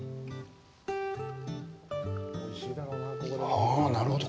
ああ、なるほど。